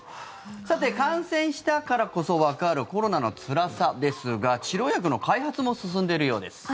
さて、感染したからこそわかるコロナのつらさですが治療薬の開発も進んでいるようです。